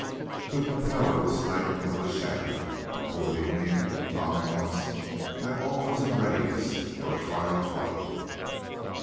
The propeller was tightened on the shaft, and toward evening Tom announced that all was in readiness for a trial flight.